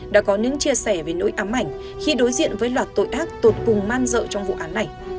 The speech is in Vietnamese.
đã có những chia sẻ về nỗi ám ảnh khi đối diện với loạt tội ác tột cùng man dợ trong vụ án này